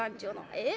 ええ？